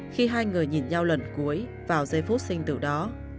khi hai người nhìn nhau lần cuối vào giây phút sinh tử đó